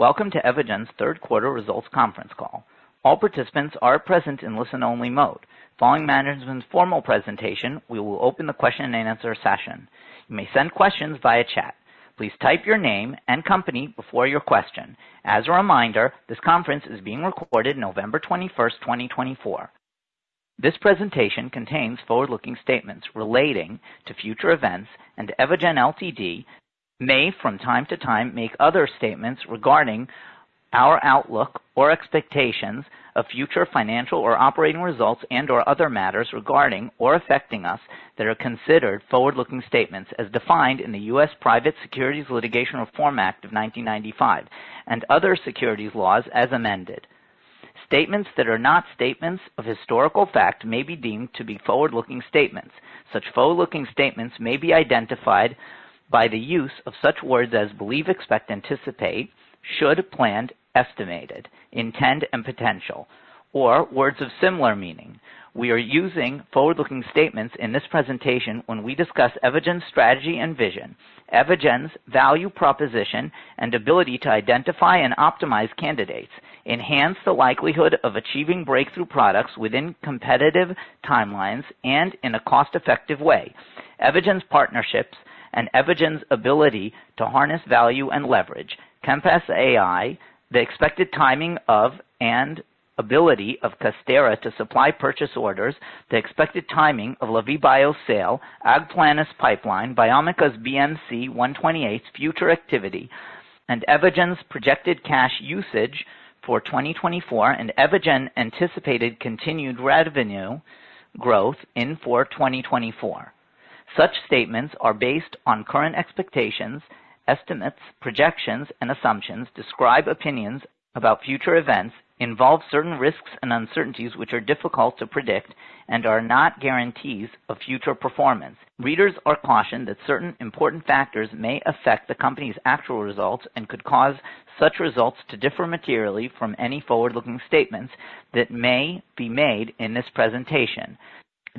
Welcome to Evogene's Third Quarter Results Conference Call. All participants are present in listen-only mode. Following management's formal presentation, we will open the question and answer session. You may send questions via chat. Please type your name and company before your question. As a reminder, this conference is being recorded, November 21st, 2024. This presentation contains forward-looking statements relating to future events, and Evogene Ltd. may, from time to time, make other statements regarding our outlook or expectations of future financial or operating results and/or other matters regarding or affecting us that are considered forward-looking statements as defined in the US Private Securities Litigation Reform Act of 1995 and other securities laws as amended. Statements that are not statements of historical fact may be deemed to be forward-looking statements. Such forward-looking statements may be identified by the use of such words as believe, expect, anticipate, should, planned, estimated, intend, and potential, or words of similar meaning. We are using forward-looking statements in this presentation when we discuss Evogene's strategy and vision, Evogene's value proposition and ability to identify and optimize candidates, enhance the likelihood of achieving breakthrough products within competitive timelines and in a cost-effective way, Evogene's partnerships and Evogene's ability to harness value and leverage, Compass AI, the expected timing of and ability of Casterra to supply purchase orders, the expected timing of Lavie Bio's sale, AgPlenus pipeline, Biomica's BMC128's future activity, and Evogene's projected cash usage for 2024, and Evogene anticipated continued revenue growth in for 2024. Such statements are based on current expectations, estimates, projections, and assumptions, describe opinions about future events, involve certain risks and uncertainties which are difficult to predict and are not guarantees of future performance. Readers are cautioned that certain important factors may affect the company's actual results and could cause such results to differ materially from any forward-looking statements that may be made in this presentation.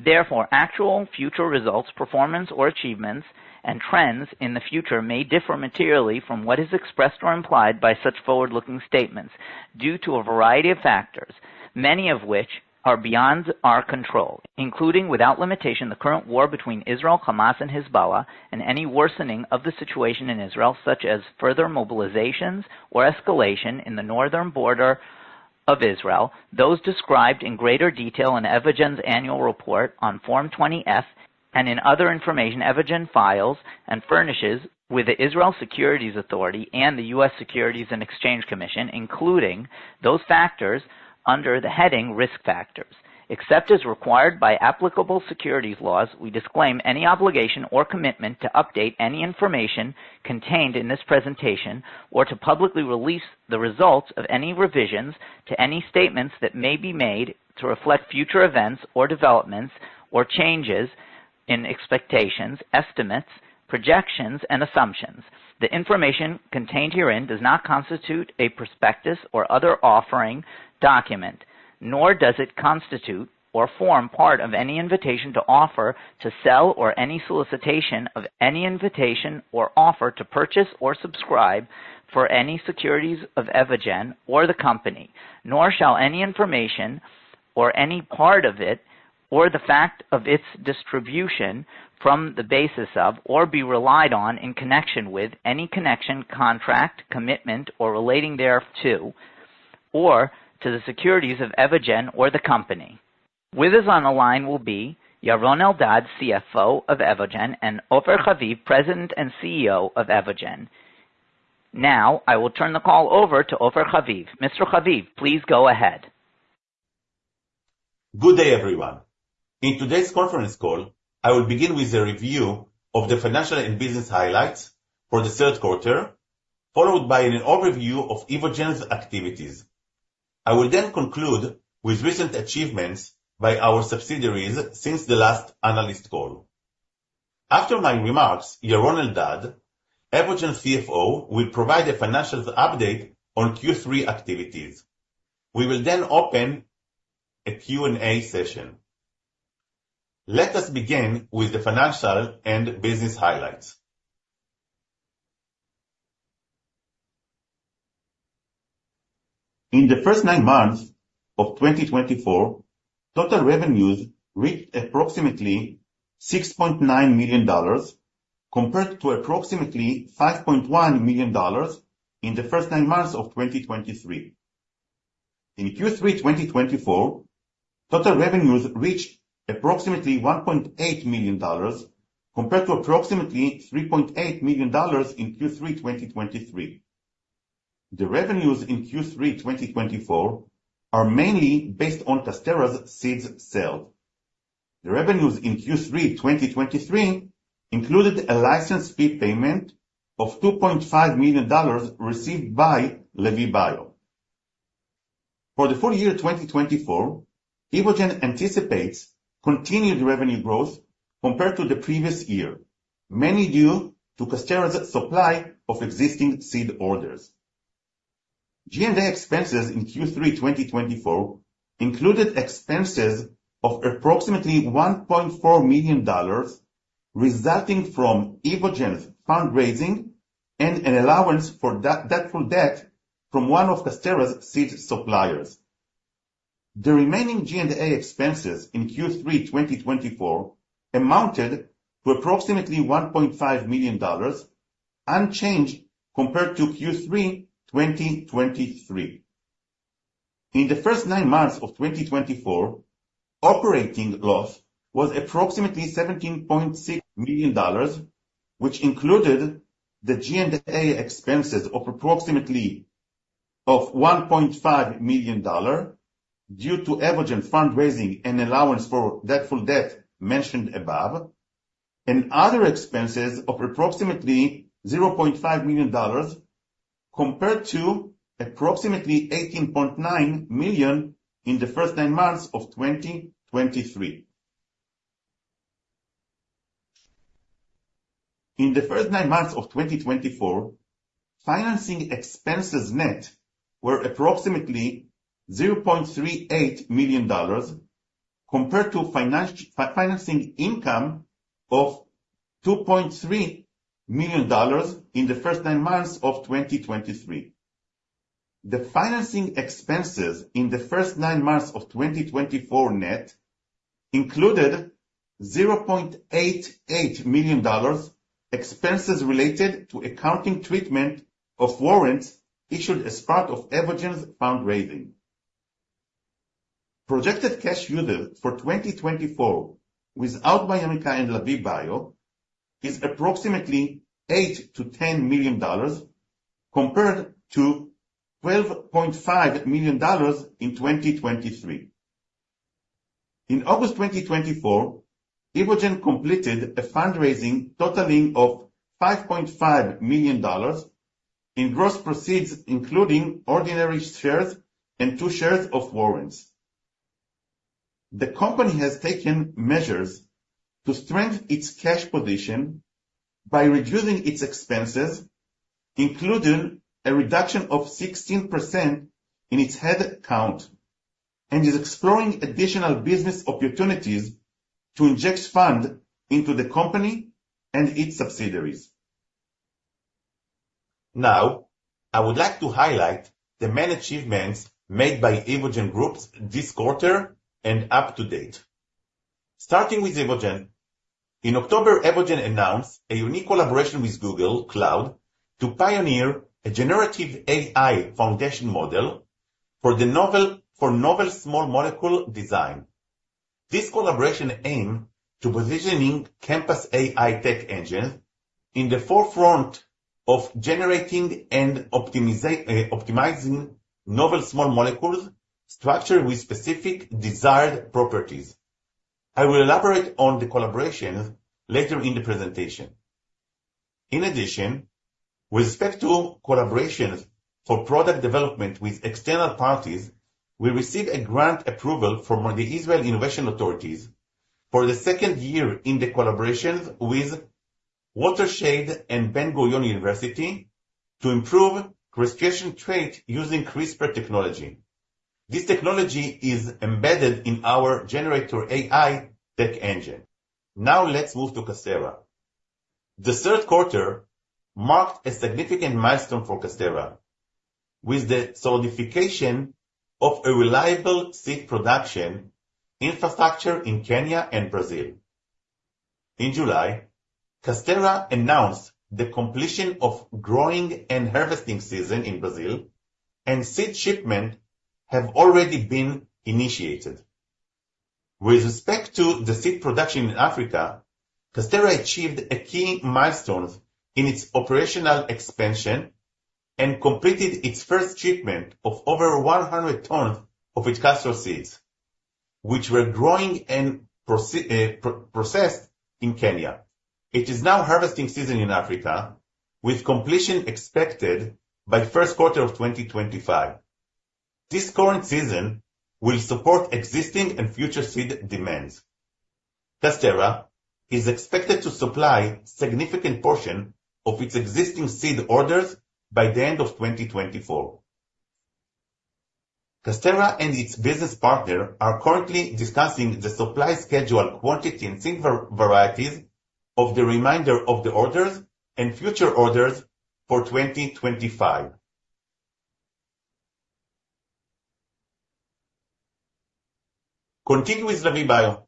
Therefore, actual future results, performance or achievements, and trends in the future may differ materially from what is expressed or implied by such forward-looking statements due to a variety of factors, many of which are beyond our control, including without limitation the current war between Israel, Hamas, and Hezbollah, and any worsening of the situation in Israel, such as further mobilizations or escalation in the northern border of Israel, those described in greater detail in Evogene's annual report on Form 20-F and in other information Evogene files and furnishes with the Israel Securities Authority and the US Securities and Exchange Commission, including those factors under the heading risk factors. Except as required by applicable securities laws, we disclaim any obligation or commitment to update any information contained in this presentation or to publicly release the results of any revisions to any statements that may be made to reflect future events or developments or changes in expectations, estimates, projections, and assumptions. The information contained herein does not constitute a prospectus or other offering document, nor does it constitute or form part of any invitation to offer to sell or any solicitation of any invitation or offer to purchase or subscribe for any securities of Evogene or the company, nor shall any information or any part of it or the fact of its distribution form the basis of or be relied on in connection with any contract, commitment, or relating thereto or to the securities of Evogene or the company. With us on the line will be Yaron Eldad, CFO of Evogene, and Ofer Haviv, President and CEO of Evogene. Now, I will turn the call over to Ofer Haviv. Mr. Haviv, please go ahead. Good day, everyone. In today's conference call, I will begin with a review of the financial and business highlights for the third quarter, followed by an overview of Evogene's activities. I will then conclude with recent achievements by our subsidiaries since the last analyst call. After my remarks, Yaron Eldad, Evogene CFO, will provide a financials update on Q3 activities. We will then open a Q&A session. Let us begin with the financial and business highlights. In the first nine months of 2024, total revenues reached approximately $6.9 million compared to approximately $5.1 million in the first nine months of 2023. In Q3 2024, total revenues reached approximately $1.8 million compared to approximately $3.8 million in Q3 2023. The revenues in Q3 2024 are mainly based on Casterra's seeds sale. The revenues in Q3 2023 included a license fee payment of $2.5 million received by Lavie Bio. For the full year 2024, Evogene anticipates continued revenue growth compared to the previous year, mainly due to Casterra's supply of existing seed orders. G&A expenses in Q3 2024 included expenses of approximately $1.4 million resulting from Evogene's fundraising and an allowance for doubtful debt from one of Casterra's seed suppliers. The remaining G&A expenses in Q3 2024 amounted to approximately $1.5 million unchanged compared to Q3 2023. In the first nine months of 2024, operating loss was approximately $17.6 million, which included the G&A expenses of approximately $1.5 million due to Evogene fundraising and allowance for doubtful debt mentioned above, and other expenses of approximately $0.5 million compared to approximately $18.9 million in the first nine months of 2023. In the first nine months of 2024, financing expenses net were approximately $0.38 million compared to financing income of $2.3 million in the first nine months of 2023. The financing expenses in the first nine months of 2024 net included $0.88 million expenses related to accounting treatment of warrants issued as part of Evogene's fundraising. Projected cash usage for 2024 without Biomica and Lavie Bio is approximately $8-$10 million compared to $12.5 million in 2023. In August 2024, Evogene completed a fundraising totaling of $5.5 million in gross proceeds, including ordinary shares and two series of warrants. The company has taken measures to strengthen its cash position by reducing its expenses, including a reduction of 16% in its headcount, and is exploring additional business opportunities to inject funds into the company and its subsidiaries. Now, I would like to highlight the main achievements made by Evogene Group this quarter and up to date. Starting with Evogene, in October, Evogene announced a unique collaboration with Google Cloud to pioneer a generative AI foundation model for novel small molecule design. This collaboration aimed to position Compass AI tech engines in the forefront of generating and optimizing novel small molecules structured with specific desired properties. I will elaborate on the collaboration later in the presentation. In addition, with respect to collaborations for product development with external parties, we received a grant approval from the Israel Innovation Authority for the second year in the collaboration with Watershede and Ben-Gurion University to improve crustacean traits using CRISPR technology. This technology is embedded in our generator AI tech engine. Now, let's move to Casterra. The third quarter marked a significant milestone for Casterra with the solidification of a reliable seed production infrastructure in Kenya and Brazil. In July, Casterra announced the completion of growing and harvesting season in Brazil, and seed shipments have already been initiated. With respect to the seed production in Africa, Casterra achieved key milestones in its operational expansion and completed its first shipment of over 100 tons of its castor seeds, which were growing and processed in Kenya. It is now harvesting season in Africa, with completion expected by the first quarter of 2025. This current season will support existing and future seed demands. Casterra is expected to supply a significant portion of its existing seed orders by the end of 2024. Casterra and its business partner are currently discussing the supply schedule, quantity, and seed varieties of the remainder of the orders and future orders for 2025. Continue with Lavie Bio.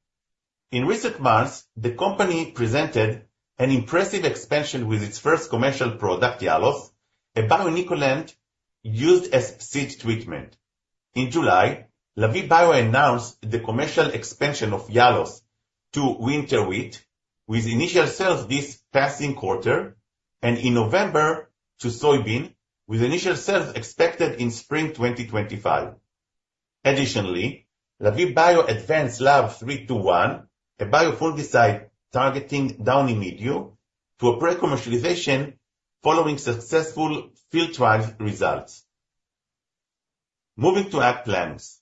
In recent months, the company presented an impressive expansion with its first commercial product, Yalos, a bio-inoculant used as seed treatment. In July, Lavie Bio announced the commercial expansion of Yalos to winter wheat with initial sales this past quarter and in November to soybean with initial sales expected in spring 2025. Additionally, Lavie Bio advanced LAV321, a bio-fungicide targeting downy mildew, to a pre-commercialization following successful field trial results. Moving to AgPlenus,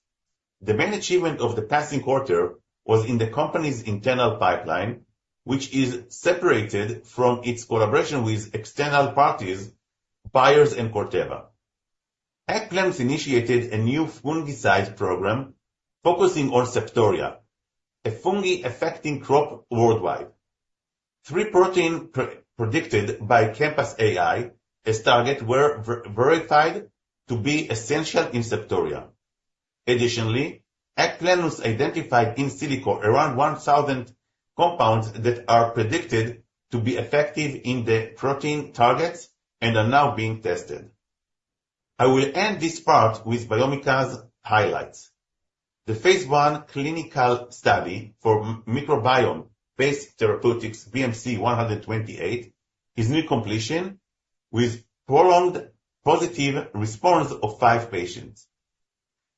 the main achievement of the past quarter was in the company's internal pipeline, which is separated from its collaboration with external parties, Bayer and Corteva. AgPlenus initiated a new fungicide program focusing on Septoria, a fungus affecting crops worldwide. Three proteins predicted by Compass AI as targets were verified to be essential in Septoria. Additionally, AgPlenus identified in silico around 1,000 compounds that are predicted to be effective in the protein targets and are now being tested. I will end this part with Biomica's highlights. The phase I clinical study for microbiome-based therapeutics, BMC128, is near completion with prolonged positive response of five patients.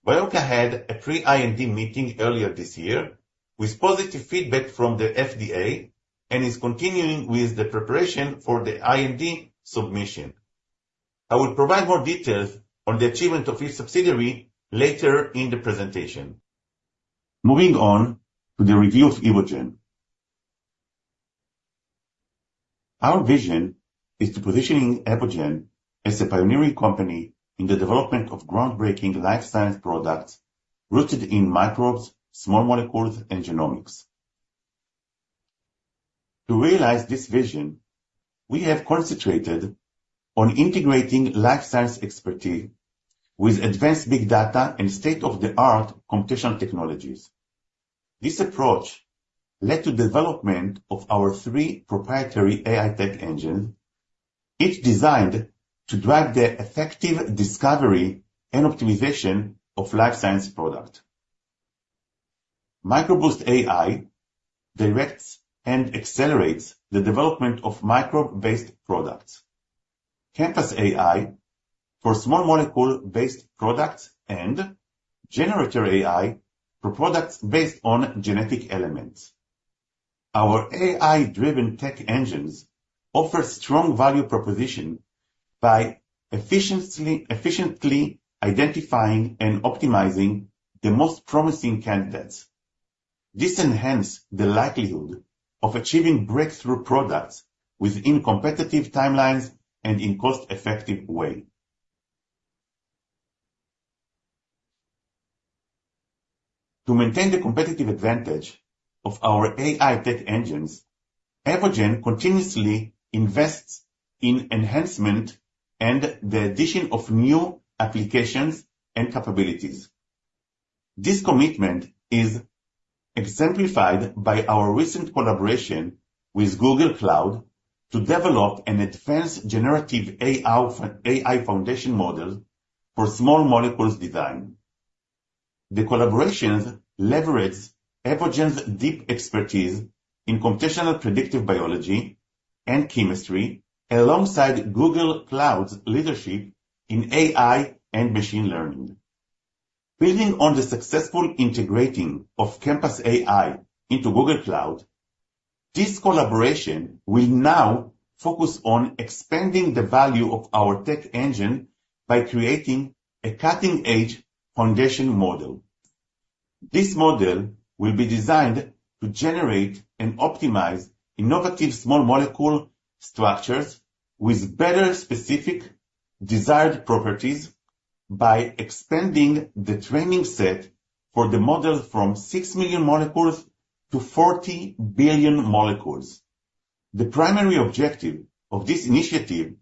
Biomica had a pre-IND meeting earlier this year with positive feedback from the FDA and is continuing with the preparation for the IND submission. I will provide more details on the achievement of each subsidiary later in the presentation. Moving on to the review of Evogene. Our vision is to position Evogene as a pioneering company in the development of groundbreaking life science products rooted in microbes, small molecules, and genomics. To realize this vision, we have concentrated on integrating life science expertise with advanced big data and state-of-the-art computational technologies. This approach led to the development of our three proprietary AI tech engines, each designed to drive the effective discovery and optimization of life science products. MicroBoost AI directs and accelerates the development of microbe-based products, Compass AI for small molecule-based products, and Generator AI for products based on genetic elements. Our AI-driven tech engines offer strong value propositions by efficiently identifying and optimizing the most promising candidates. This enhanced the likelihood of achieving breakthrough products within competitive timelines and in a cost-effective way. To maintain the competitive advantage of our AI tech engines, Evogene continuously invests in enhancement and the addition of new applications and capabilities. This commitment is exemplified by our recent collaboration with Google Cloud to develop an advanced generative AI foundation model for small molecules design. The collaboration leverages Evogene's deep expertise in computational predictive biology and chemistry alongside Google Cloud's leadership in AI and machine learning. Building on the successful integration of Compass AI into Google Cloud, this collaboration will now focus on expanding the value of our tech engine by creating a cutting-edge foundation model. This model will be designed to generate and optimize innovative small molecule structures with better specific desired properties by expanding the training set for the model from six million molecules to 40 billion molecules. The primary objective of this initiative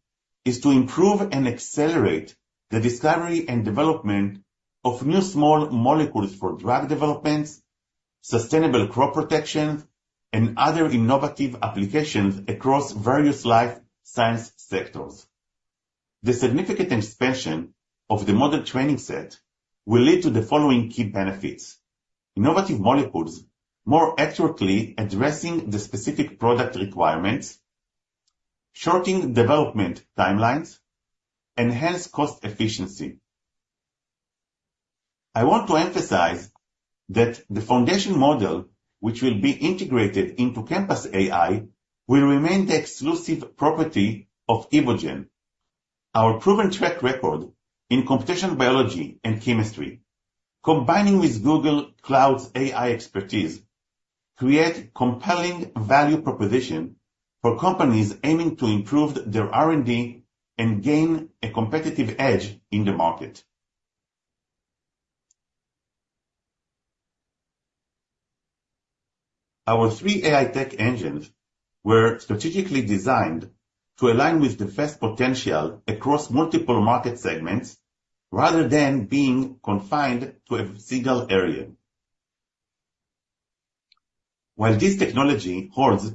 is to improve and accelerate the discovery and development of new small molecules for drug developments, sustainable crop protection, and other innovative applications across various life science sectors. The significant expansion of the model training set will lead to the following key benefits: innovative molecules more accurately addressing the specific product requirements, shortening development timelines, and enhanced cost efficiency. I want to emphasize that the foundation model, which will be integrated into Compass AI, will remain the exclusive property of Evogene. Our proven track record in computational biology and chemistry, combined with Google Cloud's AI expertise, creates compelling value propositions for companies aiming to improve their R&D and gain a competitive edge in the market. Our three AI tech engines were strategically designed to align with the best potential across multiple market segments rather than being confined to a single area. While this technology holds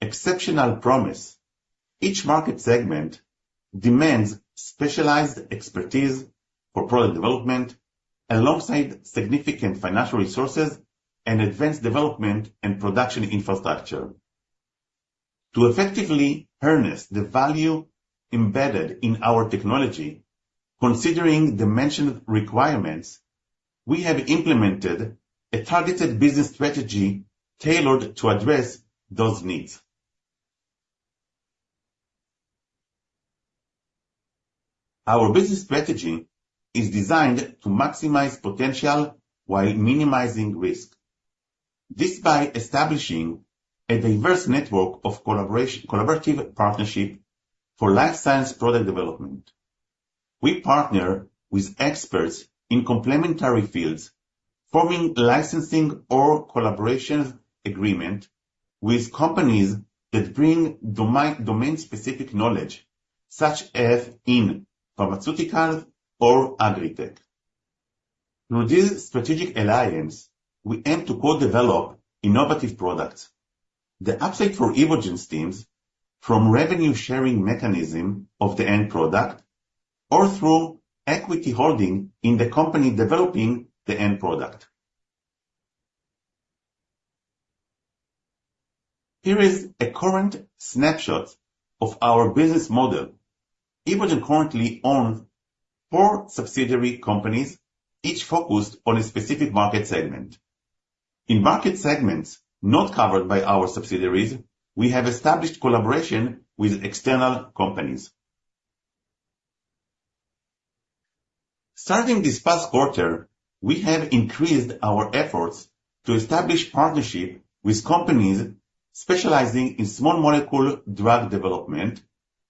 exceptional promise, each market segment demands specialized expertise for product development alongside significant financial resources and advanced development and production infrastructure. To effectively harness the value embedded in our technology, considering the mentioned requirements, we have implemented a targeted business strategy tailored to address those needs. Our business strategy is designed to maximize potential while minimizing risk. This is by establishing a diverse network of collaborative partnerships for life science product development. We partner with experts in complementary fields, forming licensing or collaboration agreements with companies that bring domain-specific knowledge, such as in pharmaceuticals or agritech. Through this strategic alliance, we aim to co-develop innovative products. The upside for Evogene's teams is from revenue-sharing mechanisms of the end product or through equity holding in the company developing the end product. Here is a current snapshot of our business model. Evogene currently owns four subsidiary companies, each focused on a specific market segment. In market segments not covered by our subsidiaries, we have established collaboration with external companies. Starting this past quarter, we have increased our efforts to establish partnerships with companies specializing in small molecule drug development,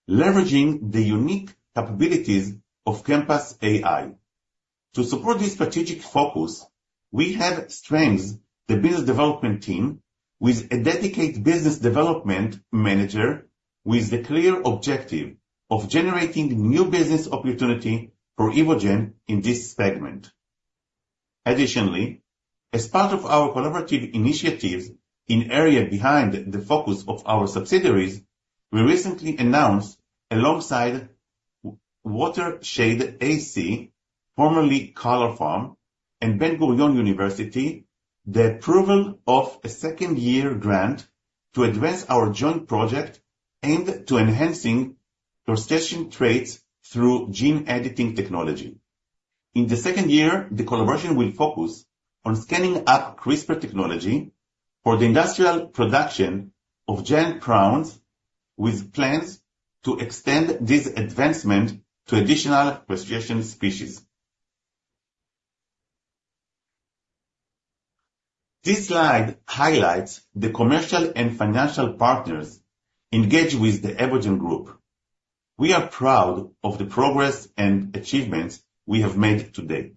leveraging the unique capabilities of Compass AI. To support this strategic focus, we have strengthened the business development team with a dedicated business development manager with the clear objective of generating new business opportunities for Evogene in this segment. Additionally, as part of our collaborative initiatives in areas beyond the focus of our subsidiaries, we recently announced, alongside Colors Farm, formerly Colors Farm, and Ben-Gurion University, the approval of a second-year grant to advance our joint project aimed at enhancing resilient traits through gene editing technology. In the second year, the collaboration will focus on scaling up CRISPR technology for the industrial production of compounds with plans to extend this advancement to additional resilient species. This slide highlights the commercial and financial partners engaged with the Evogene group. We are proud of the progress and achievements we have made today.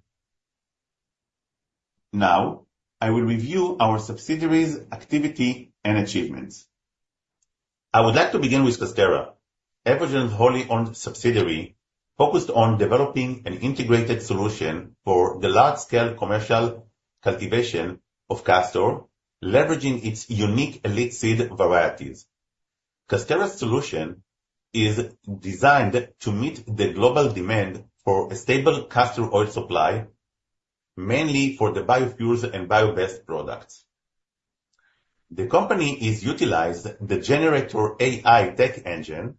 Now, I will review our subsidiaries' activity and achievements. I would like to begin with Casterra, Evogene's wholly-owned subsidiary focused on developing an integrated solution for the large-scale commercial cultivation of castor, leveraging its unique elite seed varieties. Casterra's solution is designed to meet the global demand for a stable castor oil supply, mainly for the biofuels and bio-based products. The company is utilizing the Generator AI tech engine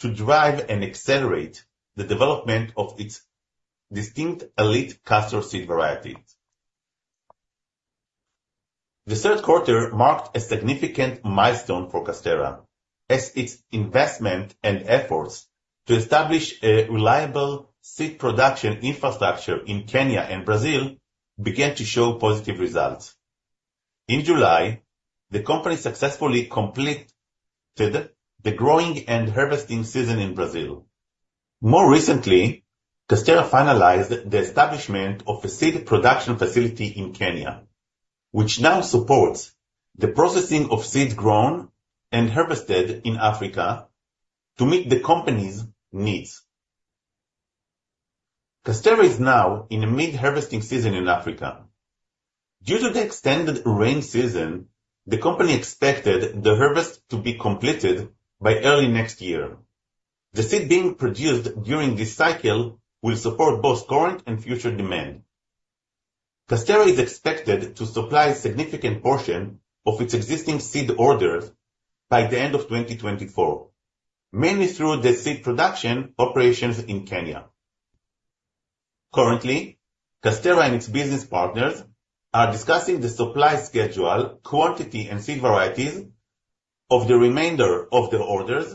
to drive and accelerate the development of its distinct elite castor seed varieties. The third quarter marked a significant milestone for Casterra, as its investment and efforts to establish a reliable seed production infrastructure in Kenya and Brazil began to show positive results. In July, the company successfully completed the growing and harvesting season in Brazil. More recently, Casterra finalized the establishment of a seed production facility in Kenya, which now supports the processing of seeds grown and harvested in Africa to meet the company's needs. Casterra is now in a mid-harvesting season in Africa. Due to the extended rain season, the company expected the harvest to be completed by early next year. The seed being produced during this cycle will support both current and future demand. Casterra is expected to supply a significant portion of its existing seed orders by the end of 2024, mainly through the seed production operations in Kenya. Currently, Casterra and its business partners are discussing the supply schedule, quantity, and seed varieties of the remainder of the orders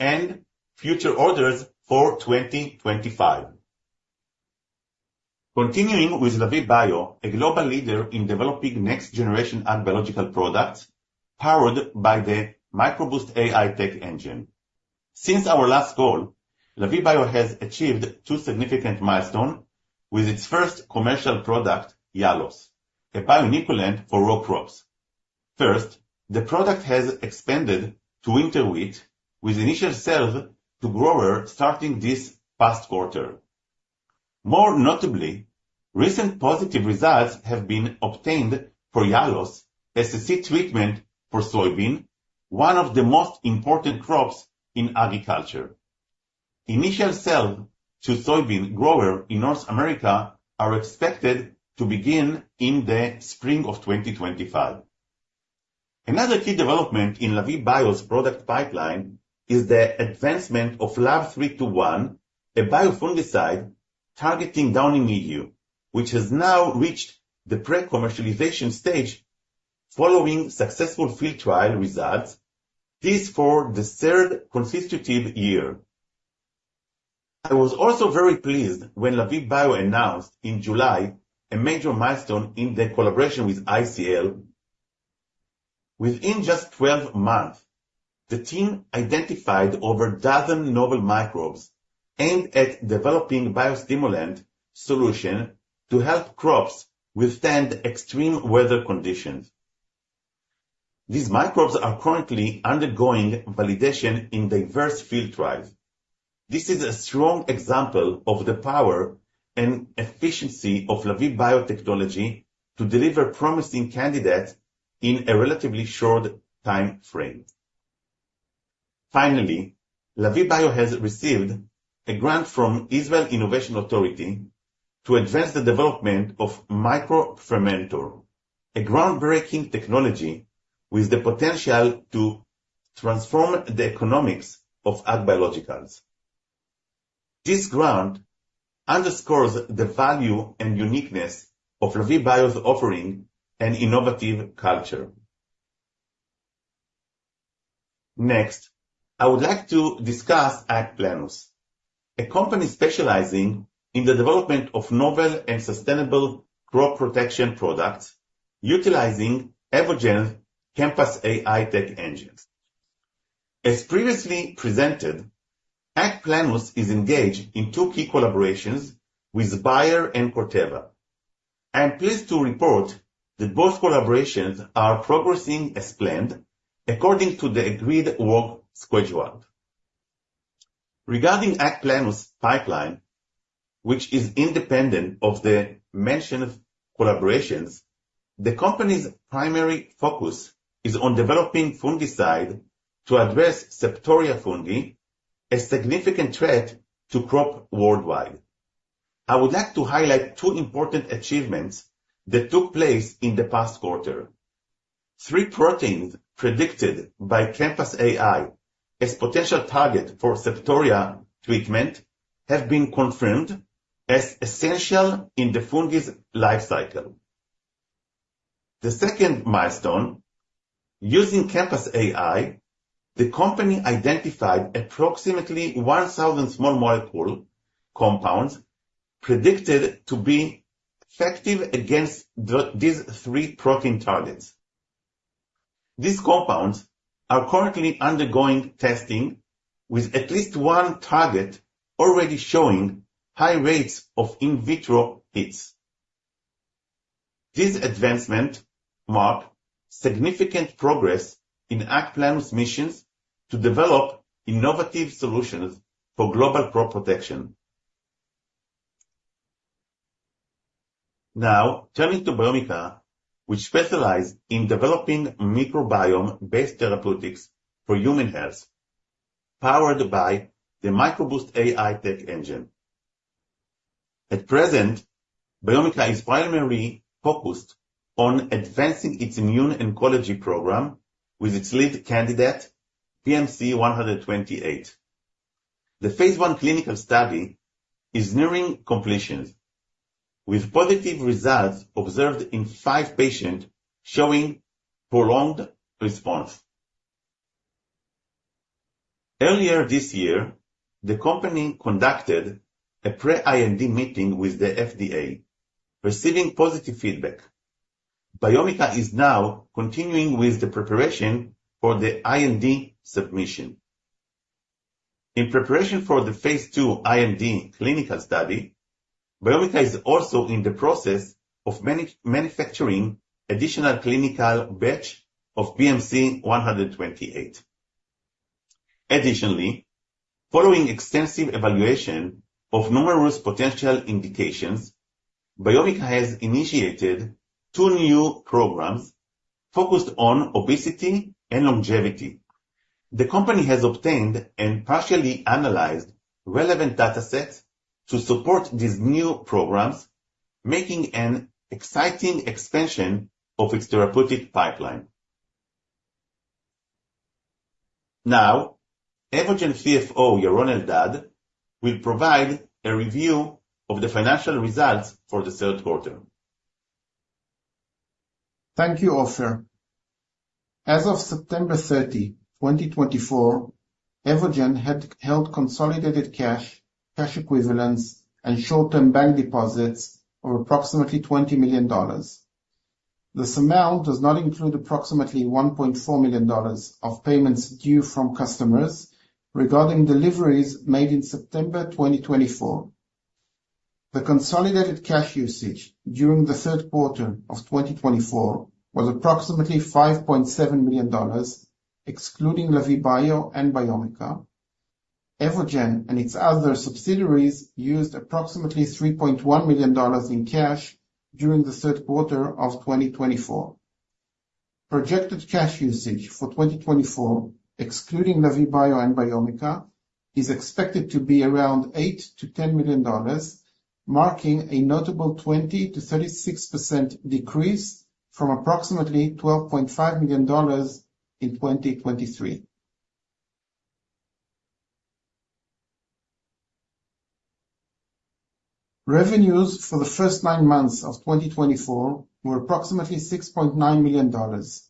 and future orders for 2025. Continuing with Lavie Bio, a global leader in developing next-generation agrobiological products powered by the MicroBoost AI tech engine. Since our last call, Lavie Bio has achieved two significant milestones with its first commercial product, Yalos, a bio-inoculant for row crops. First, the product has expanded to winter wheat, with initial sales to growers starting this past quarter. More notably, recent positive results have been obtained for Yalos as a seed treatment for soybean, one of the most important crops in agriculture. Initial sales to soybean growers in North America are expected to begin in the spring of 2025. Another key development in Lavie Bio's product pipeline is the advancement of LAV321, a bio-fungicide targeting downy mildew, which has now reached the pre-commercialization stage following successful field trial results. This is for the third consecutive year. I was also very pleased when Lavie Bio announced in July a major milestone in their collaboration with ICL. Within just 12 months, the team identified over a dozen novel microbes aimed at developing a bio-stimulant solution to help crops withstand extreme weather conditions. These microbes are currently undergoing validation in diverse field trials. This is a strong example of the power and efficiency of Lavie Bio technology to deliver promising candidates in a relatively short time frame. Finally, Lavie Bio has received a grant from the Israel Innovation Authority to advance the development of microfermentor, a groundbreaking technology with the potential to transform the economics of agrobiologicals. This grant underscores the value and uniqueness of Lavie Bio's offering and innovative culture. Next, I would like to discuss AgPlenus, a company specializing in the development of novel and sustainable crop protection products utilizing Evogene's Compass AI tech engines. As previously presented, AgPlenus is engaged in two key collaborations with Bayer and Corteva. I am pleased to report that both collaborations are progressing as planned, according to the agreed work schedule. Regarding AgPlenus' pipeline, which is independent of the mentioned collaborations, the company's primary focus is on developing fungicides to address Septoria fungi, a significant threat to crops worldwide. I would like to highlight two important achievements that took place in the past quarter. Three proteins predicted by Compass AI as potential targets for Septoria treatment have been confirmed as essential in the fungi's life cycle. The second milestone, using Compass AI, the company identified approximately 1,000 small molecule compounds predicted to be effective against these three protein targets. These compounds are currently undergoing testing, with at least one target already showing high rates of in vitro hits. This advancement marks significant progress in AgPlenus' mission to develop innovative solutions for global crop protection. Now, turning to Biomica, which specializes in developing microbiome-based therapeutics for human health, powered by the MicroBoost AI tech engine. At present, Biomica is primarily focused on advancing its immuno-oncology program with its lead candidate, BMC128. The phase I clinical study is nearing completion, with positive results observed in five patients showing prolonged response. Earlier this year, the company conducted a pre-IND meeting with the FDA, receiving positive feedback. Biomica is now continuing with the preparation for the IND submission. In preparation for the phase II IND clinical study, Biomica is also in the process of manufacturing an additional clinical batch of BMC128. Additionally, following extensive evaluation of numerous potential indications, Biomica has initiated two new programs focused on obesity and longevity. The company has obtained and partially analyzed relevant data sets to support these new programs, making an exciting expansion of its therapeutic pipeline. Now, Evogene Chief Financial Officer, Yaron Eldad, will provide a review of the financial results for the third quarter. Thank you, Ofer.As of September 30, 2024, Evogene had held consolidated cash, cash equivalents, and short-term bank deposits of approximately $20 million. This amount does not include approximately $1.4 million of payments due from customers regarding deliveries made in September 2024. The consolidated cash usage during the third quarter of 2024 was approximately $5.7 million, excluding Lavie Bio and Biomica. Evogene and its other subsidiaries used approximately $3.1 million in cash during the third quarter of 2024. Projected cash usage for 2024, excluding Lavie Bio and Biomica, is expected to be around $8-$10 million, marking a notable 20%-36% decrease from approximately $12.5 million in 2023. Revenues for the first nine months of 2024 were approximately $6.9 million, an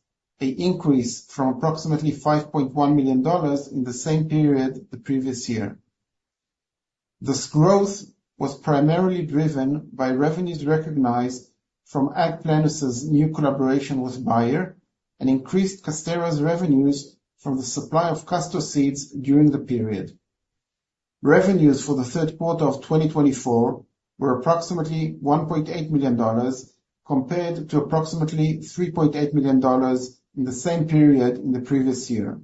increase from approximately $5.1 million in the same period the previous year. This growth was primarily driven by revenues recognized from AgPlenus' new collaboration with Bayer and increased Casterra's revenues from the supply of castor seeds during the period. Revenues for the third quarter of 2024 were approximately $1.8 million, compared to approximately $3.8 million in the same period in the previous year.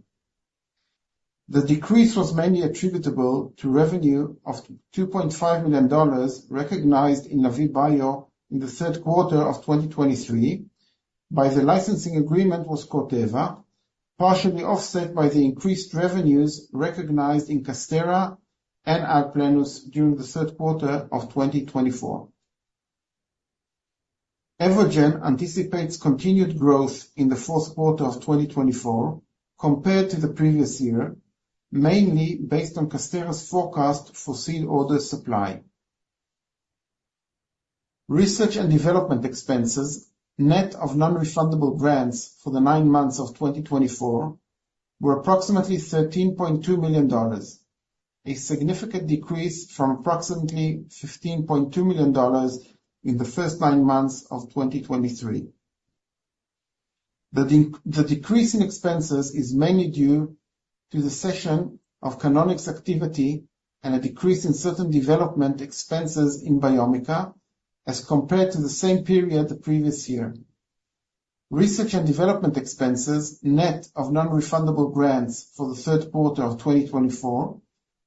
The decrease was mainly attributable to revenue of $2.5 million recognized in Lavie Bio in the third quarter of 2023 by the licensing agreement with Corteva, partially offset by the increased revenues recognized in Casterra and AgPlenus during the third quarter of 2024. Evogene anticipates continued growth in the fourth quarter of 2024, compared to the previous year, mainly based on Casterra's forecast for seed order supply. Research and development expenses, net of non-refundable grants for the nine months of 2024, were approximately $13.2 million, a significant decrease from approximately $15.2 million in the first nine months of 2023. The decrease in expenses is mainly due to the cessation of genomics activity and a decrease in certain development expenses in Biomica as compared to the same period the previous year. Research and development expenses, net of non-refundable grants for the third quarter of 2024,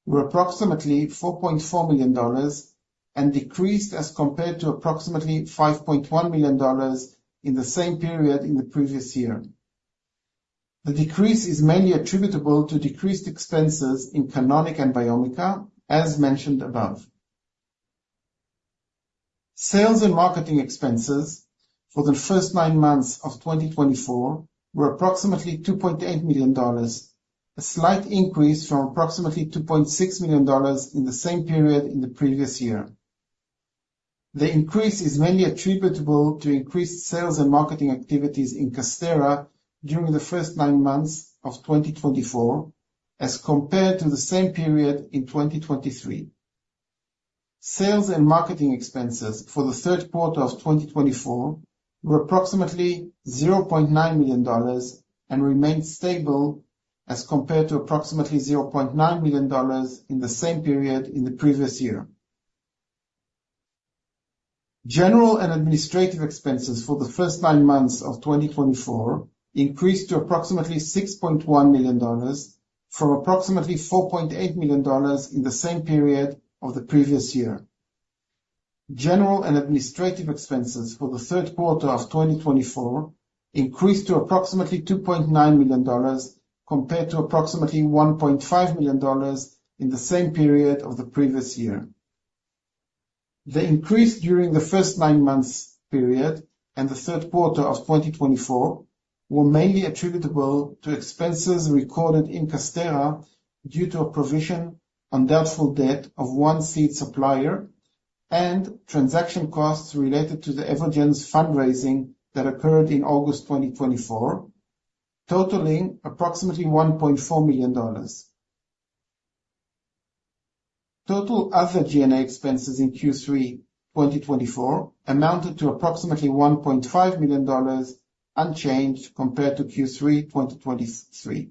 were approximately $4.4 million and decreased as compared to approximately $5.1 million in the same period in the previous year. The decrease is mainly attributable to decreased expenses in genomics and Biomica, as mentioned above. Sales and marketing expenses for the first nine months of 2024 were approximately $2.8 million, a slight increase from approximately $2.6 million in the same period in the previous year. The increase is mainly attributable to increased sales and marketing activities in Casterra during the first nine months of 2024, as compared to the same period in 2023. Sales and marketing expenses for the third quarter of 2024 were approximately $0.9 million and remained stable as compared to approximately $0.9 million in the same period in the previous year. General and administrative expenses for the first nine months of 2024 increased to approximately $6.1 million from approximately $4.8 million in the same period of the previous year. General and administrative expenses for the third quarter of 2024 increased to approximately $2.9 million compared to approximately $1.5 million in the same period of the previous year. The increase during the first nine months period and the third quarter of 2024 were mainly attributable to expenses recorded in Casterra due to a provision on doubtful debt of one seed supplier and transaction costs related to the Evogene's fundraising that occurred in August 2024, totaling approximately $1.4 million. Total other G&A expenses in Q3 2024 amounted to approximately $1.5 million, unchanged compared to Q3 2023.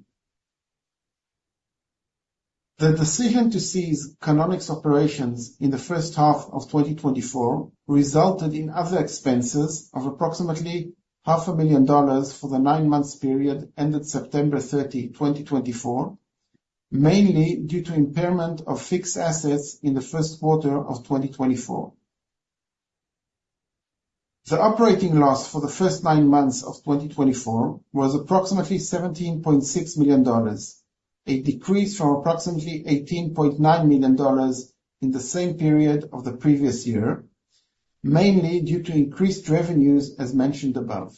The decision to cease Canonics operations in the first half of 2024 resulted in other expenses of approximately $500,000 for the nine-month period ended September 30, 2024, mainly due to impairment of fixed assets in the first quarter of 2024. The operating loss for the first nine months of 2024 was approximately $17.6 million, a decrease from approximately $18.9 million in the same period of the previous year, mainly due to increased revenues as mentioned above.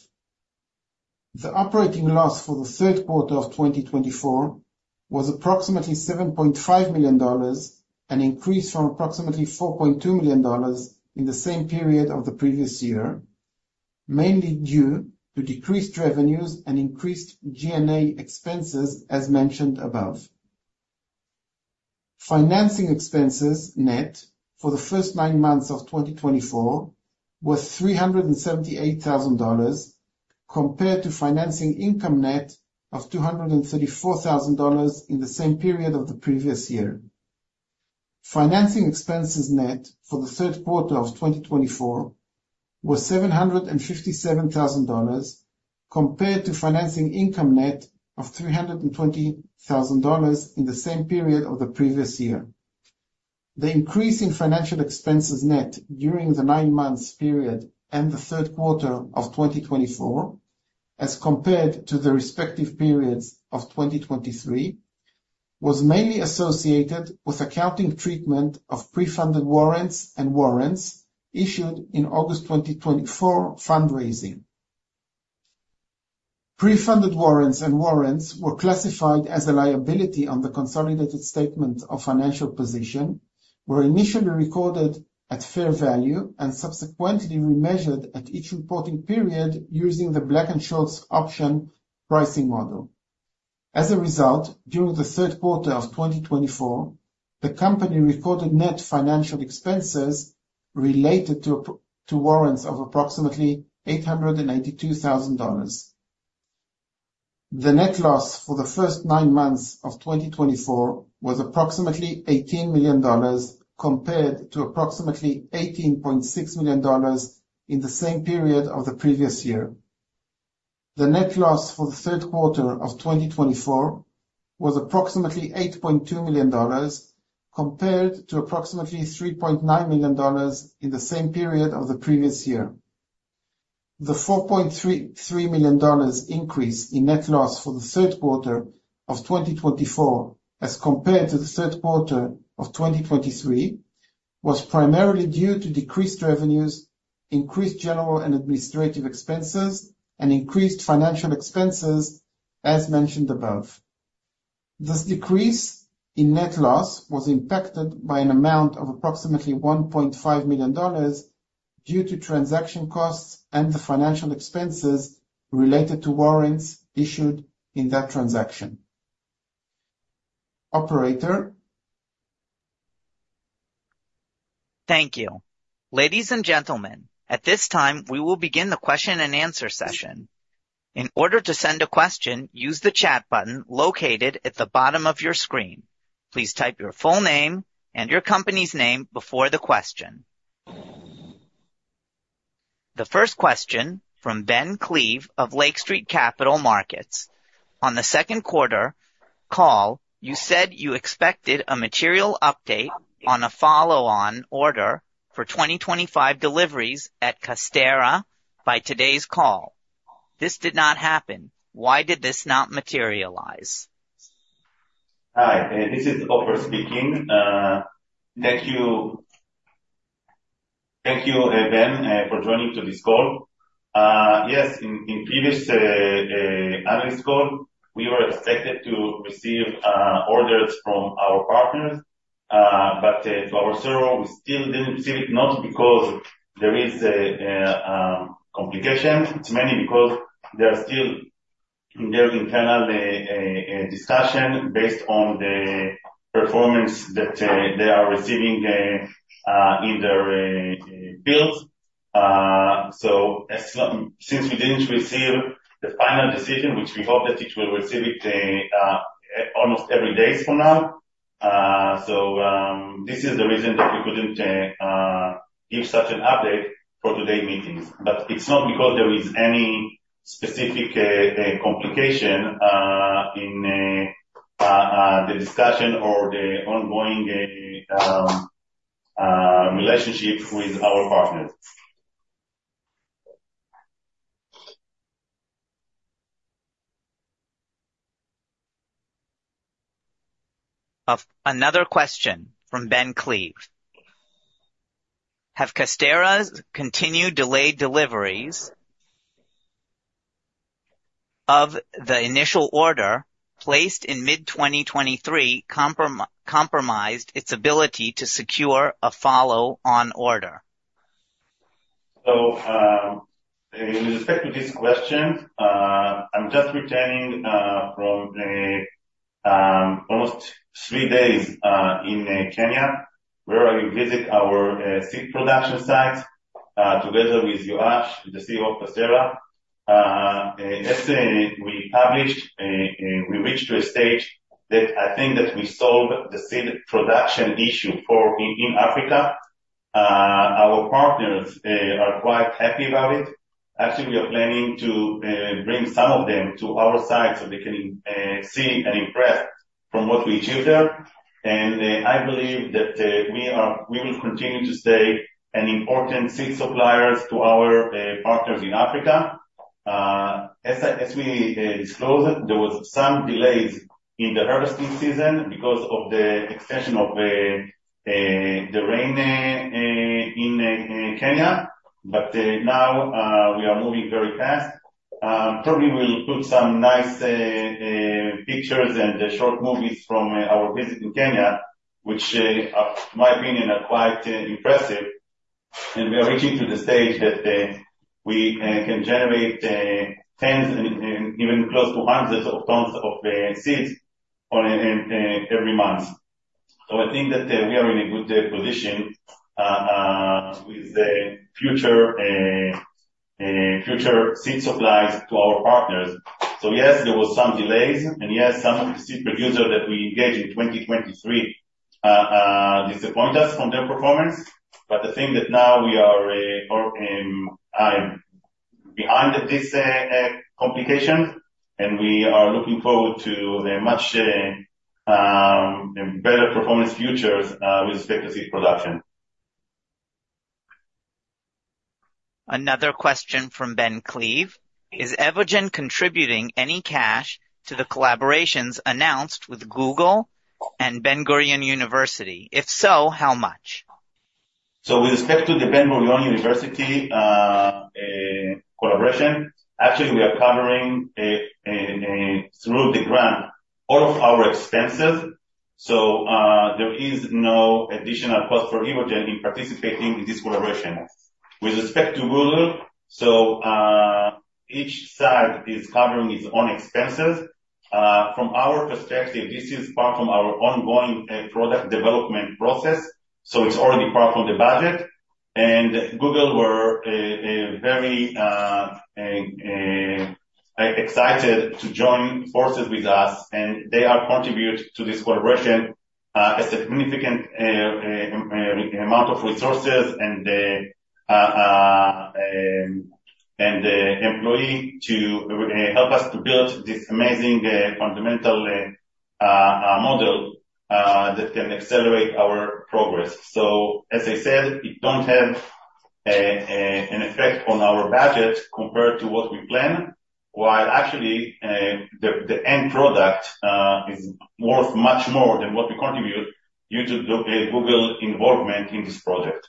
The operating loss for the third quarter of 2024 was approximately $7.5 million, an increase from approximately $4.2 million in the same period of the previous year, mainly due to decreased revenues and increased G&A expenses as mentioned above. Financing expenses net for the first nine months of 2024 were $378,000 compared to financing income net of $234,000 in the same period of the previous year. Financing expenses net for the third quarter of 2024 were $757,000 compared to financing income net of $320,000 in the same period of the previous year. The increase in financing expenses net during the nine-month period and the third quarter of 2024, as compared to the respective periods of 2023, was mainly associated with accounting treatment of pre-funded warrants and warrants issued in August 2024 fundraising. Pre-funded warrants and warrants were classified as a liability on the consolidated statement of financial position, were initially recorded at fair value and subsequently remeasured at each reporting period using the Black-Scholes option pricing model. As a result, during the third quarter of 2024, the company recorded net financial expenses related to warrants of approximately $882,000. The net loss for the first nine months of 2024 was approximately $18 million, compared to approximately $18.6 million in the same period of the previous year. The net loss for the third quarter of 2024 was approximately $8.2 million, compared to approximately $3.9 million in the same period of the previous year. The $4.3 million increase in net loss for the third quarter of 2024, as compared to the third quarter of 2023, was primarily due to decreased revenues, increased general and administrative expenses, and increased financial expenses as mentioned above. This decrease in net loss was impacted by an amount of approximately $1.5 million due to transaction costs and the financial expenses related to warrants issued in that transaction. Operator. Thank you. Ladies and gentlemen, at this time, we will begin the question and answer session. In order to send a question, use the chat button located at the bottom of your screen. Please type your full name and your company's name before the question. The first question from Ben Klieve of Lake Street Capital Markets. On the second quarter call, you said you expected a material update on a follow-on order for 2025 deliveries at Casterra by today's call. This did not happen. Why did this not materialize? Hi, this is Ofer speaking. Thank you, Ben, for joining to this call. Yes, in previous Analyst Call, we were expected to receive orders from our partners, but to our sorrow, we still didn't receive it, not because there is a complication. It's mainly because there are still internal discussions based on the performance that they are receiving in their fields. Since we didn't receive the final decision, which we hope that we will receive almost every day from now, so this is the reason that we couldn't give such an update for today's meetings. But it's not because there is any specific complication in the discussion or the ongoing relationship with our partners. Another question from Ben Klieve. Have Casterra's continued delayed deliveries of the initial order placed in mid-2023 compromised its ability to secure a follow-on order? With respect to this question, I'm just returning from almost three days in Kenya, where I visit our seed production site together with Yoash, the CEO of Casterra. As we published, we reached a stage that I think that we solved the seed production issue in Africa. Our partners are quite happy about it. Actually, we are planning to bring some of them to our site so they can see and impress from what we achieved there. And I believe that we will continue to stay an important seed supplier to our partners in Africa. As we disclosed, there were some delays in the harvesting season because of the extension of the rain in Kenya, but now we are moving very fast. Probably we'll put some nice pictures and short movies from our visit in Kenya, which, in my opinion, are quite impressive. And we are reaching to the stage that we can generate tens, even close to hundreds of tons of seeds every month. So I think that we are in a good position with the future seed supplies to our partners. So yes, there were some delays, and yes, some of the seed producers that we engaged in 2023 disappointed us in their performance. But the thing is that now we are beyond this complication, and we are looking forward to much better performance in the future with respect to seed production. Another question from Ben Klieve. Is Evogene contributing any cash to the collaborations announced with Google and Ben-Gurion University? If so, how much? So with respect to the Ben-Gurion University collaboration, actually, we are covering through the grant all of our expenses. So there is no additional cost for Evogene in participating in this collaboration. With respect to Google, so each side is covering its own expenses. From our perspective, this is part of our ongoing product development process. So it's already part of the budget. And Google were very excited to join forces with us, and they are contributing to this collaboration a significant amount of resources and employees to help us to build this amazing foundation model that can accelerate our progress. So as I said, it doesn't have an effect on our budget compared to what we planned, while actually the end product is worth much more than what we contribute due to Google's involvement in this project.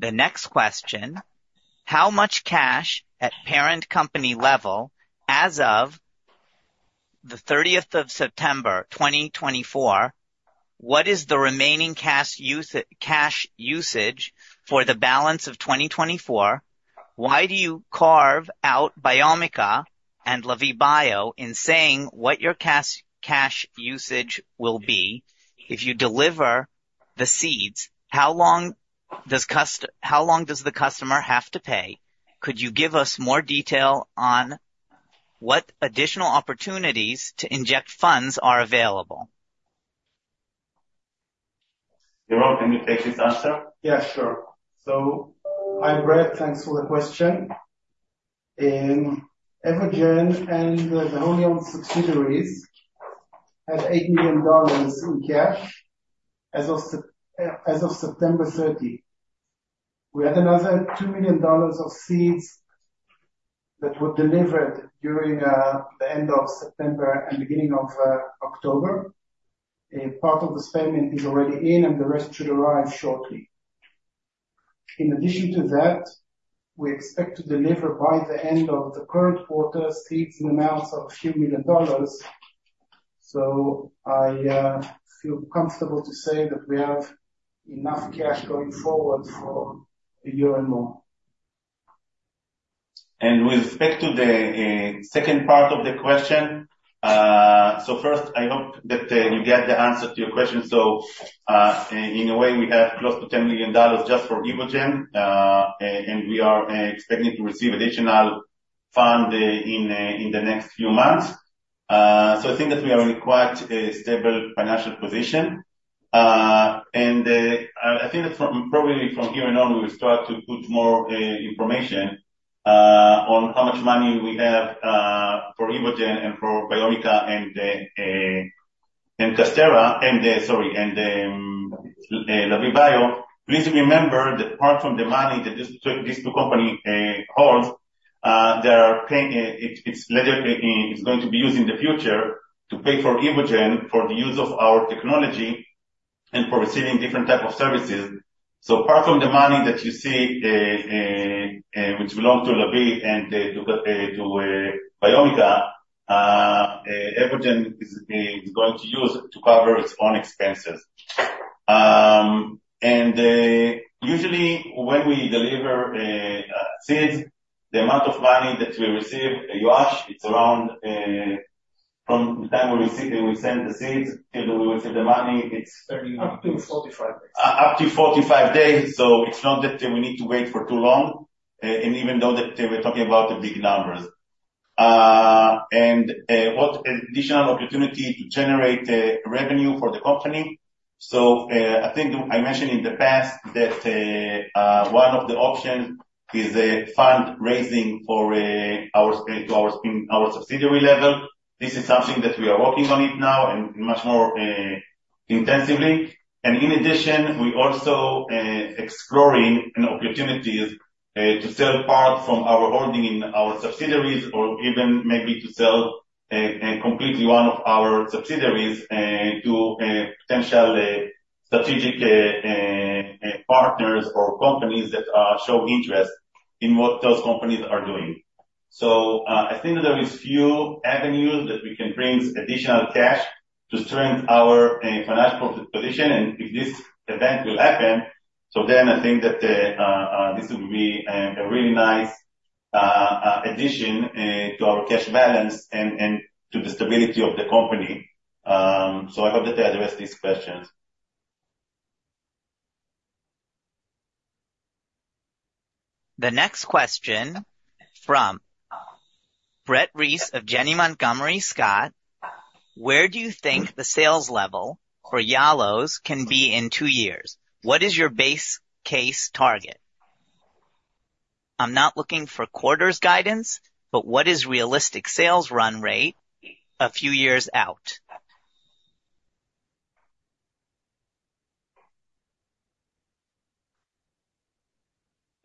The next question. How much cash at parent company level as of the 30th of September, 2024? What is the remaining cash usage for the balance of 2024? Why do you carve out Biomica and Lavie Bio in saying what your cash usage will be if you deliver the seeds? How long does the customer have to pay? Could you give us more detail on what additional opportunities to inject funds are available? Yaron, can you take this answer? Yeah, sure. So, first, thanks for the question. Evogene and the wholly-owned subsidiaries had $8 million in cash as of September 30. We had another $2 million of seeds that were delivered during the end of September and beginning of October. Part of this payment is already in, and the rest should arrive shortly. In addition to that, we expect to deliver by the end of the current quarter seeds in the amounts of a few million dollars. So I feel comfortable to say that we have enough cash going forward for a year or more. With respect to the second part of the question, first, I hope that you get the answer to your question. So in a way, we have close to $10 million just for Evogene, and we are expecting to receive additional funds in the next few months. So I think that we are in a quite stable financial position. And I think that probably from here on, we will start to put more information on how much money we have for Evogene and for Biomica and Casterra and, sorry, and Lavie Bio. Please remember that apart from the money that these two companies hold, there are it's going to be used in the future to pay for Evogene for the use of our technology and for receiving different types of services. So apart from the money that you see, which belongs to Lavie and to Biomica, Evogene is going to use to cover its own expenses. And usually, when we deliver seeds, the amount of money that we receive, Yoash, it's around from the time we send the seeds till we receive the money, it's up to 45 days. Up to 45 days. So it's not that we need to wait for too long, and even though that we're talking about the big numbers. And what additional opportunity to generate revenue for the company? So I think I mentioned in the past that one of the options is fundraising to our subsidiary level. This is something that we are working on now and much more intensively. And in addition, we are also exploring opportunities to sell parts from our holding in our subsidiaries or even maybe to sell completely one of our subsidiaries to potential strategic partners or companies that show interest in what those companies are doing. So I think that there are a few avenues that we can bring additional cash to strengthen our financial position. And if this event will happen, so then I think that this will be a really nice addition to our cash balance and to the stability of the company. So I hope that I addressed these questions. The next question from Brett Reiss of Janney Montgomery Scott. Where do you think the sales level for Yalos can be in two years? What is your base case target? I'm not looking for quarter's guidance, but what is realistic sales run rate a few years out?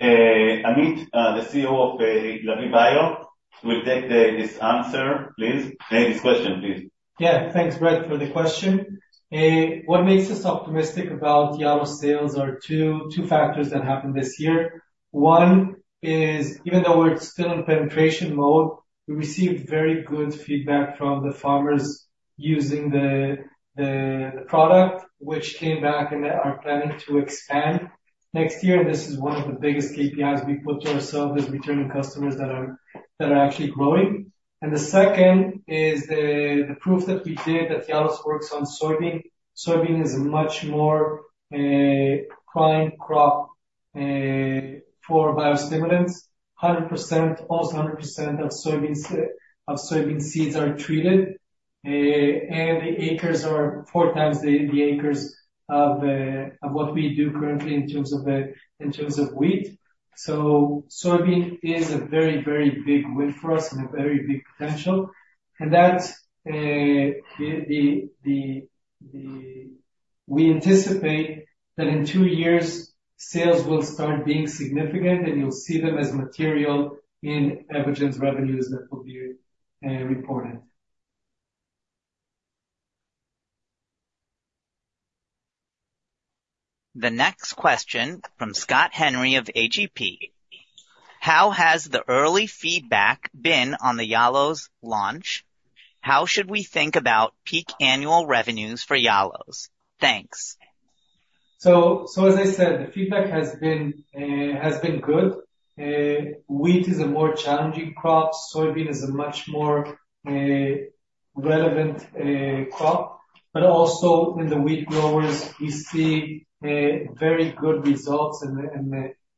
Amit, the CEO of Lavie Bio, will take this answer, please. This question, please. Yeah, thanks, Brett, for the question. What makes us optimistic about Yalos' sales are two factors that happened this year. One is, even though we're still in penetration mode, we received very good feedback from the farmers using the product, which came back and are planning to expand next year. And this is one of the biggest KPIs we put to ourselves as returning customers that are actually growing. And the second is the proof that we did that Yalos works on soybean. Soybean is a much more prime crop for biostimulants. 100%, almost 100% of soybean seeds are treated, and the acres are four times the acres of what we do currently in terms of wheat. So soybean is a very, very big win for us and a very big potential. And we anticipate that in two years, sales will start being significant, and you'll see them as material in Evogene's revenues that will be reported. The next question from Scott Henry of AGP. How has the early feedback been on the Yalos launch? How should we think about peak annual revenues for Yalos? Thanks. So as I said, the feedback has been good. Wheat is a more challenging crop. Soybean is a much more relevant crop. But also in the wheat growers, we see very good results and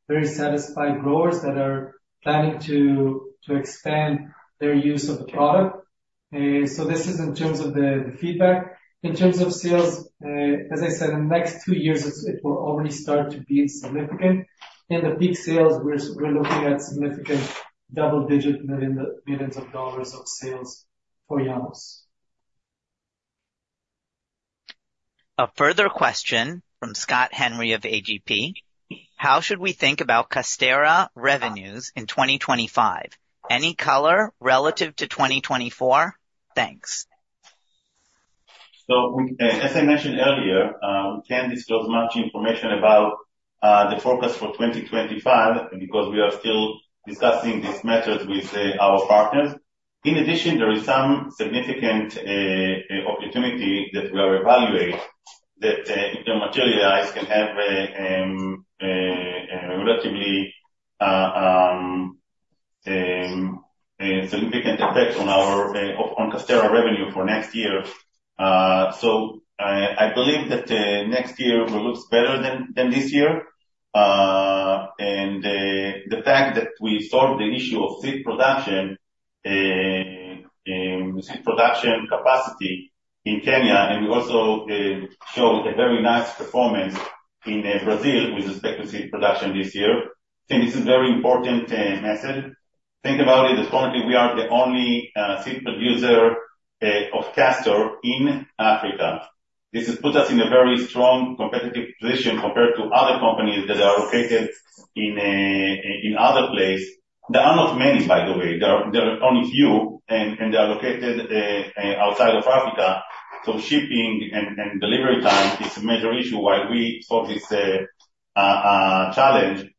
very satisfied growers that are planning to expand their use of the product. So this is in terms of the feedback. In terms of sales, as I said, in the next two years, it will already start to be significant. In the peak sales, we're looking at significant double-digit millions of dollars of sales for Yalos. A further question from Scott Henry of AGP. How should we think about Casterra revenues in 2025? Any color relative to 2024? Thanks. So as I mentioned earlier, we can't disclose much information about the forecast for 2025 because we are still discussing these matters with our partners. In addition, there is some significant opportunity that we are evaluating that it can materialize and have a relatively significant effect on Casterra revenue for next year. So I believe that next year will look better than this year. And the fact that we solved the issue of seed production, seed production capacity in Kenya, and we also showed a very nice performance in Brazil with respect to seed production this year. I think this is a very important message. Think about it. At this point, we are the only seed producer of Casterra in Africa. This has put us in a very strong competitive position compared to other companies that are located in other places. There are not many, by the way. There are only few, and they are located outside of Africa, so shipping and delivery time is a major issue while we solve this challenge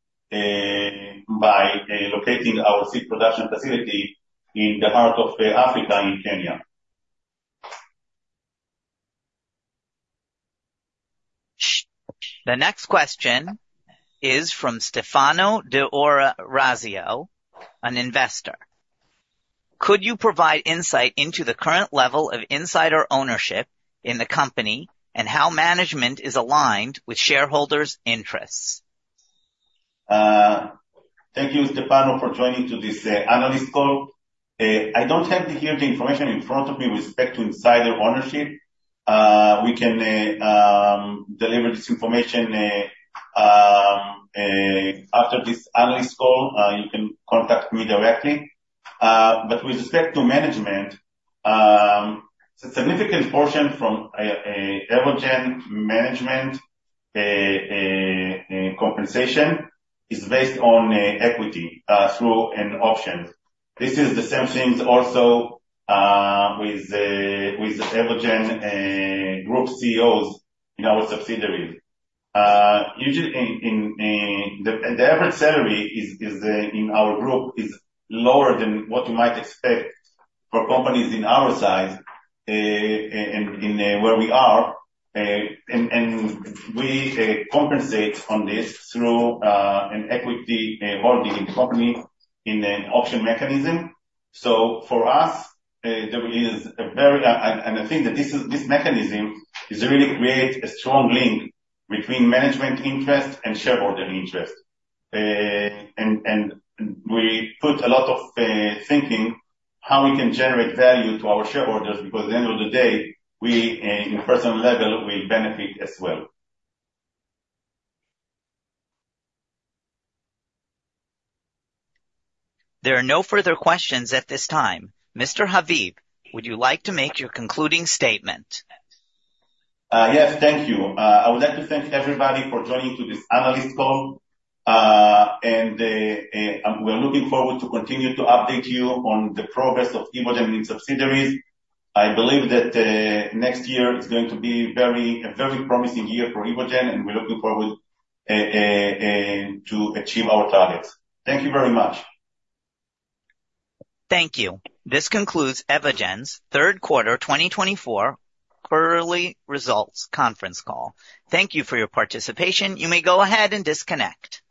by locating our seed production facility in the heart of Africa in Kenya. The next question is from Stefano D'Orazio, an investor. Could you provide insight into the current level of insider ownership in the company and how management is aligned with shareholders' interests? Thank you, Stefano, for joining this analyst call. I don't have the information in front of me with respect to insider ownership. We can deliver this information after this analyst call. You can contact me directly. But with respect to management, a significant portion from Evogene management compensation is based on equity through options. This is the same thing also with Evogene group CEOs in our subsidiaries. The average salary in our group is lower than what you might expect for companies in our size and where we are. And we compensate on this through an equity holding in the company in an option mechanism. So for us, there is a very, and I think that this mechanism is really creating a strong link between management interest and shareholder interest. And we put a lot of thinking on how we can generate value to our shareholders because at the end of the day, we in a personal level will benefit as well. There are no further questions at this time. Mr. Haviv, would you like to make your concluding statement? Yes, thank you. I would like to thank everybody for joining this analyst call. And we're looking forward to continue to update you on the progress of Evogene and subsidiaries. I believe that next year is going to be a very promising year for Evogene, and we're looking forward to achieving our targets. Thank you very much. Thank you. This concludes Evogene's third quarter 2024 quarterly results conference call. Thank you for your participation. You may go ahead and disconnect.